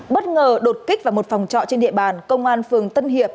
bất ngờ đột kích vào một phòng trọ trên địa bàn công an phường tân hiệp